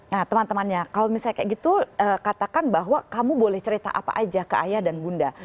nah teman temannya kalau misalnya kayak gitu katakan bahwa kamu boleh cerita apa aja ke ayah dan bunda